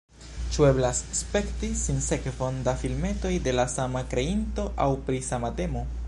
Ĉu eblas spekti sinsekvon da filmetoj de la sama kreinto aŭ pri sama temo?